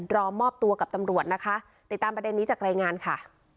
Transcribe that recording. รอมอบตัวกับตำรวจนะคะติดตามประเด็นนี้จากรายงานค่ะ